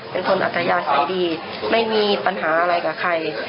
เป็นคนอัตยาศัยดีไม่มีปัญหาอะไรกับใคร